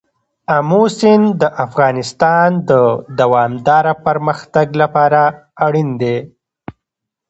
آمو سیند د افغانستان د دوامداره پرمختګ لپاره اړین دی.